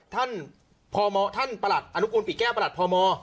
ท่านประหลักอนุควิทย์แก้ประหลักพอมอ